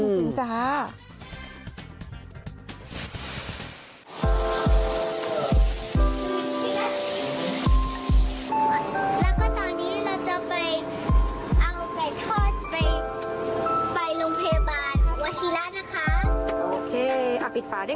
แล้วก็ตอนนี้เราจะไปเอาแบบทอดไป